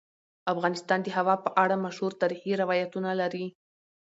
افغانستان د هوا په اړه مشهور تاریخی روایتونه لري.